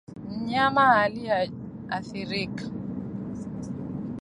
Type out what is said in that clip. mnyama aliyeathirika